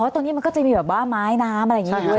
อ๋อตรงนี้มันก็จะมีแบบว่าไม้น้ำอะไรอย่างนี้ด้วยใช่ไหม